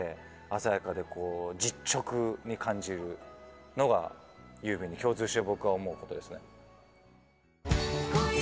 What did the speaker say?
鮮やかで実直に感じるのがユーミンに共通して僕が思うことですね。